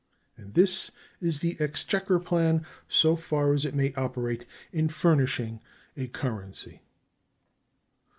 And this is the exchequer plan so far as it may operate in furnishing a currency.